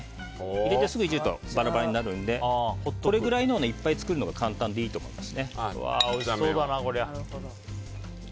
入れてすぐいじるとバラバラになるのでこれぐらいのをいっぱい作るのが簡単でいいと思います。